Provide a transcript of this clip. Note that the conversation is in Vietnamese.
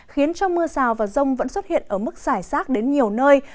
khiến cho mưa rào và rông vẫn xuất hiện ở mức giải sát đến nhiều nơi